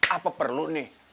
apa perlu nih